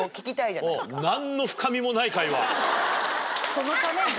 そのために？